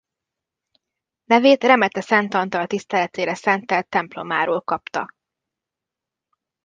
Nevét Remete Szent Antal tiszteletére szentelt templomáról kapta.